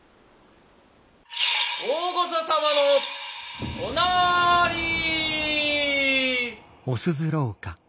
大御所様のおなーりー。